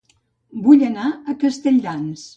Vull anar a Castelldans